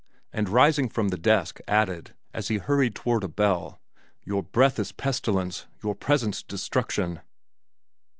and rising from the desk added, as he hurried toward a bell, "Your breath is pestilence, your presence destruction!"